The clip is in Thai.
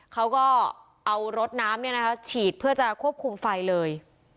เขาก็เอารถน้ำฉีดเพื่อจะควบคุมไฟเลย